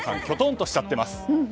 きょとんとしちゃってます。